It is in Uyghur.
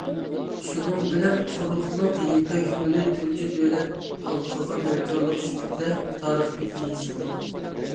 شۇنىڭ بىلەن قۇرۇقلۇق يىپەك يولى تۇنجى دۆلەت ھالقىغان ھەمكارلىق سۈپىتىدە تارىخ بېتىگە يېزىلدى.